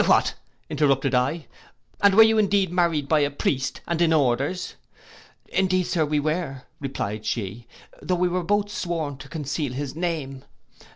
'What,' interrupted I, 'and were you indeed married by a priest, and in orders?'—'Indeed, Sir, we were,' replied she, 'though we were both sworn to conceal his name.